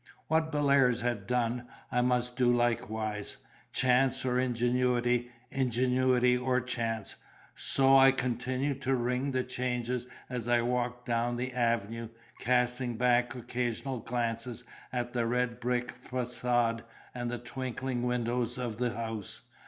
What Bellairs had done, I must do likewise. Chance or ingenuity, ingenuity or chance so I continued to ring the changes as I walked down the avenue, casting back occasional glances at the red brick facade and the twinkling windows of the house.